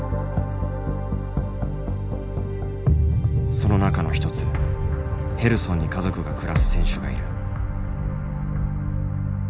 その中の一つヘルソンに家族が暮らす選手がいる。